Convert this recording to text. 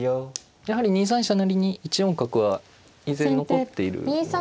やはり２三飛車成に１四角は依然残っているので。